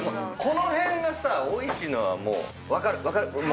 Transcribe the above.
この辺がさおいしいのはもう分かる分かる。